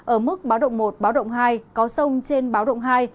ở mức báo động một báo động hai có sông trên báo động hai